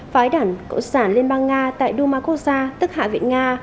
phái đảng cộng sản liên bang nga tại duma kosa tức hạ viện nga